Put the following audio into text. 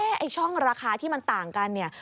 ไอ้ช่องราคาที่มันต่างกันเนี่ย